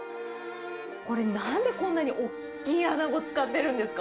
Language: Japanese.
これ、なんでこんな大きいアナゴ使ってるんですか？